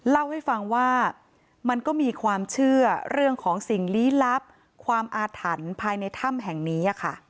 เล่าให้ฟังว่ามันก็มีความเชื่อเรื่องของสิ่งลี้ลับความอาถรรพ์ภายในถ้ำแห่งนี้